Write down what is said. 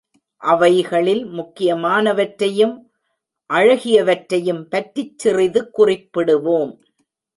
அவைகளில் முக்கியமானவற்றையும் அழகியவற்றையும் பற்றிச் சிறிது குறிப்பிடுவோம்.